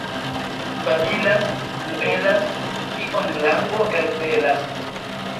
Babilas, muelas, kion lango elpelas.